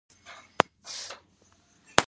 عصري تعلیم مهم دی ځکه چې د روبوټکس پروژې کوي.